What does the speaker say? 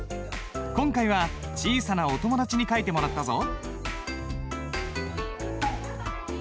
今回は小さなお友達に書いてもらったぞ。